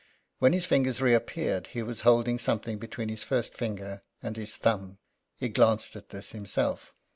When his fingers reappeared he was holding something between his first finger and his thumb. He glanced at this himself.